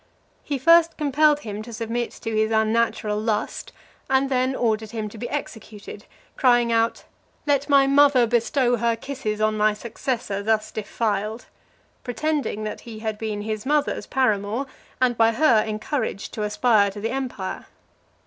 He first compelled him to submit to his unnatural lust, and then ordered him to be executed, crying out, "Let my mother bestow her kisses on my successor thus defiled;" pretending that he had been his mothers paramour, and by her encouraged to aspire to the empire.